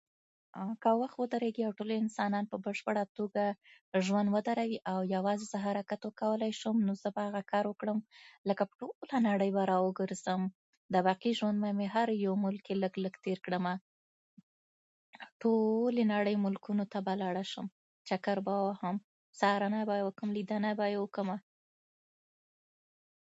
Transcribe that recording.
موږ نن غواړو چې ښوونځي ته لاړ شو او هلته نوې زده کړې وکړو